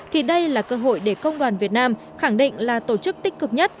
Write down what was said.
thì đây là cơ hội để công đoàn việt nam khẳng định là tổ chức tích cực nhất